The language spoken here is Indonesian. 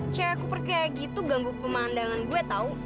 cewek kuper kayak gitu ganggu pemandangan gue tau